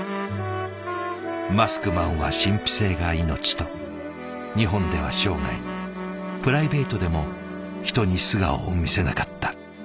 「マスクマンは神秘性が命」と日本では生涯プライベートでも人に素顔を見せなかった。